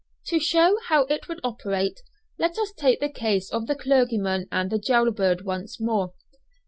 To show how it would operate, let us take the case of the clergyman and the jail bird once more.